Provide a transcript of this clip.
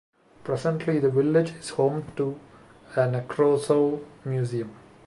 Presently, the village is home to a Nekrasov museum.